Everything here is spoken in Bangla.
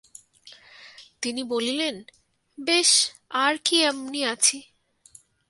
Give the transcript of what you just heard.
তিনি বলিলেন, বেশ আর কী এমনি আছি!